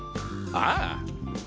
ああ。